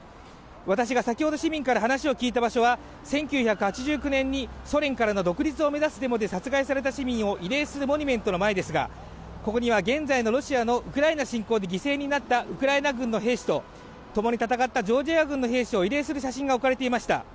私が先ほど市民から話を聞いた場所は１９８９年にソ連からの独立を目指すデモで殺害された市民を慰霊するモニュメントの前ですがここには現在のロシアの、ウクライナ侵攻で犠牲となったウクライナ軍の兵士と、ともに戦ったジョージア軍の兵士を慰霊する写真が置かれていました。